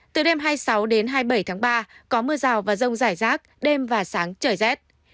từ đêm hai mươi sáu đến hai mươi bảy tháng ba có mưa rào và rông rải rác đêm và sáng trời rét